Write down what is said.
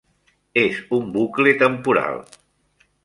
És un bucle temporal!